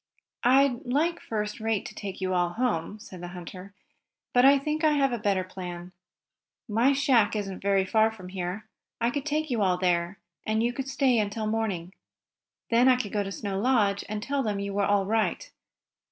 "I'd like first rate to take you all home," said the hunter, "but I think I have a better plan. My shack isn't far from here. I could take you all there, and you could stay until morning. Then I could go to Snow Lodge and tell them you were all right.